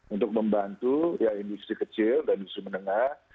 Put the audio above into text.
untuk membantu ya industri kecil dan industri menengah